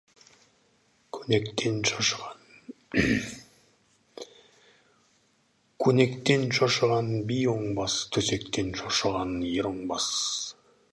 Көнектен шошыған бие оңбас, төсектен шошыған ер оңбас.